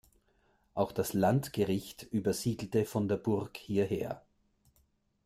Auch das Landgericht übersiedelte von der Burg hierher.